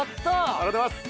ありがとうございます！